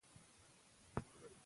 موږ د سولې او ورورولۍ بیرغ لېږدوو.